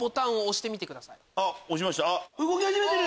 動き始めてる！